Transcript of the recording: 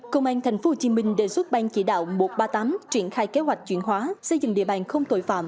công an tp hcm đề xuất ban chỉ đạo một trăm ba mươi tám triển khai kế hoạch chuyển hóa xây dựng địa bàn không tội phạm